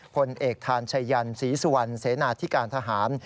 พลเอกทานชายันศรีสุวรรณเสนาธิการทหาร